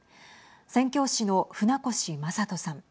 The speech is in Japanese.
宣教師の船越真人さん。